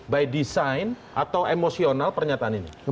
by design atau emosional pernyataan ini